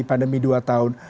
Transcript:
di pandemi dua tahun